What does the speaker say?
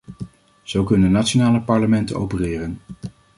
Zo kunnen nationale parlementen opereren.